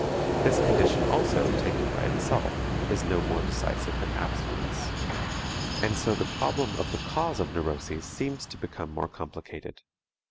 This condition also, taken by itself, is no more decisive than abstinence. And so the problem of the cause of neuroses seems to become more complicated.